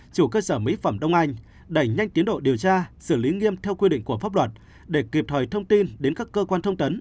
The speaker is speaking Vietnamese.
chủ cơ sở mỹ phẩm đông anh đẩy nhanh tiến độ điều tra xử lý nghiêm theo quy định của pháp luật để kịp thời thông tin đến các cơ quan thông tấn